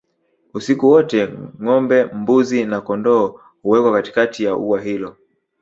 Usiku wote ngombe mbuzi na kondoo huwekwa katikati ya ua hilo